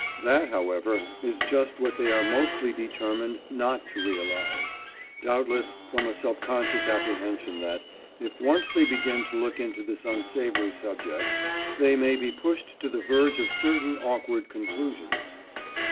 That, however, is just what they are mostly determined not to realise, doubtless from a subconscious apprehension that, if once they begin to look into this unsavoury subject, they may be pushed to the verge of certain awkward conclusions.